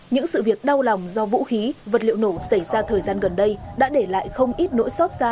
những sự việc đau lòng do vũ khí vật liệu nổ xảy ra thời gian gần đây đã để lại không ít nỗi xót xa